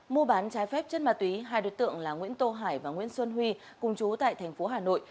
mua bán trái phép chất ma túy hai đối tượng là nguyễn tô hải và nguyễn xuân huy cùng chú tại thành phố hà nội